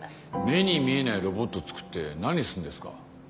目に見えないロボット作って何すんですか？